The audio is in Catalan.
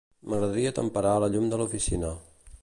M'agradaria temperar la llum de l'oficina.